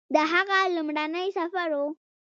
د هغه لومړنی سفر و